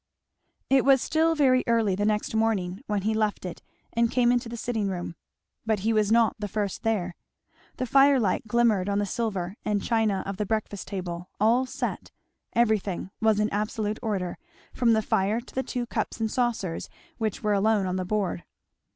It was still very early the next morning; when he left it and came into the sitting room, but he was not the first there. The firelight glimmered on the silver and china of the breakfast table, all set; everything was in absolute order, from the fire to the two cups and saucers which were alone on the board.